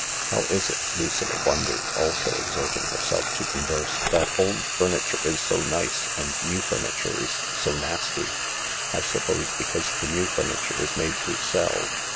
" How is it," Lucilla wondered, also exerting herself to converse, " that old furniture is so nice and new furniture's so nasty." " I suppose because the new furniture is made to sell.